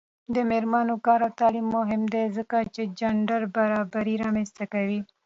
د میرمنو کار او تعلیم مهم دی ځکه چې جنډر برابري رامنځته کوي.